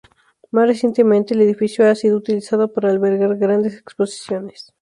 Más recientemente, el edificio ha sido utilizado para albergar grandes exposiciones.